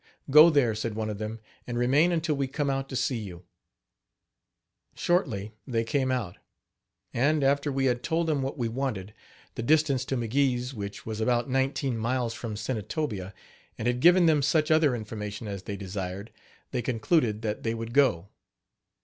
"Go there," said one of them, "and remain until we come out to see you." Shortly they came out; and, after we had told them what we wanted, the distance to McGee's, which was about nineteen miles from Senatobia, and had given them such other information as they desired, they concluded that they would go.